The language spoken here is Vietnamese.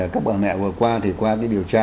các bà mẹ vừa qua thì qua cái điều tra